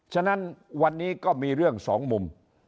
ฉะนั้นวันนี้ก็มีเรื่องสองมุม